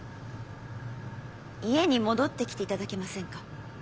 家に戻ってきていただけませんか？